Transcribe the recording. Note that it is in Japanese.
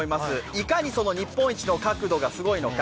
いかに日本一の角度がすごいのか。